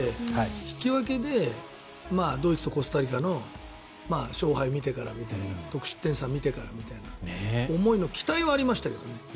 引き分けでドイツとコスタリカの勝敗を見てからみたいな得失点差を見てからみたいな思いの期待はありましたけどね。